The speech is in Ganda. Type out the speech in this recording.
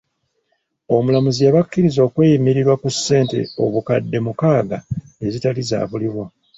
Omulamuzi yabakkiriza okweyimirirwa ku ssente obukadde mukaaga ezitaali za buliwo.